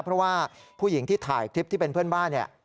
เพราะว่าผู้หญิงที่ถ่ายคลิปที่เป็นเพื่อนบ้านเนี่ย